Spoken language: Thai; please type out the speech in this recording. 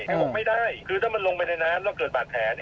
เขาบอกไม่ได้คือถ้ามันลงไปในน้ำแล้วเกิดบาดแผล